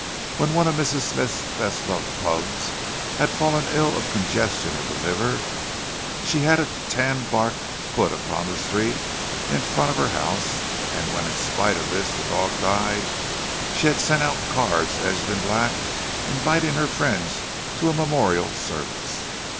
When one of Mrs. Smythe's best loved pugs had fallen ill of congestion of the liver, she had had tan bark put upon the street in front of her house; and when in spite of this the dog died, she had sent out cards edged in black, inviting her friends to a "memorial service."